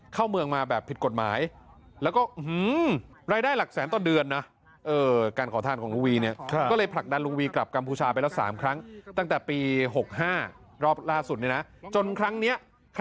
เข้าเมืองมาแบบผิดกฎหมาย